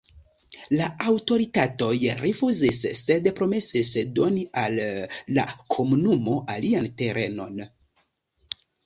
La aŭtoritatoj rifuzis, sed promesis doni al la komunumo alian terenon.